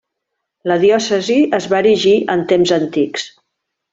La diòcesi es va erigir en temps antics.